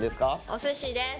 お寿司です。